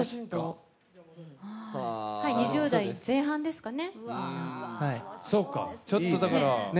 ２０代前半ですかね。